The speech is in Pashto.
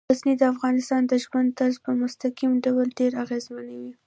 غزني د افغانانو د ژوند طرز په مستقیم ډول ډیر اغېزمنوي.